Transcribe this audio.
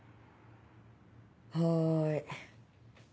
はい。